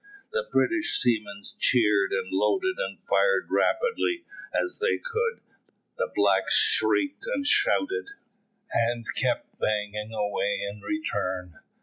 The British seamen cheered and loaded and fired as rapidly as they could; the blacks shrieked and shouted, and kept banging away in return.